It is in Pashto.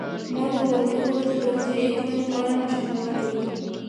مور د کورنۍ غړو ته د روغتیايي کړنو په اړه مشوره ورکوي.